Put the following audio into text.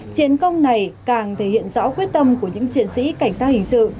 chiến công này càng thể hiện rõ quyết tâm của những chiến sĩ cảnh sát hình sự